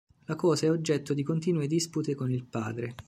La cosa è oggetto di continue dispute con il padre.